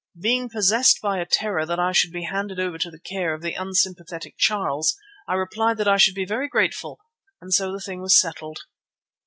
Being possessed by a terror that I should be handed over to the care of the unsympathetic Charles, I replied that I should be very grateful, and so the thing was settled.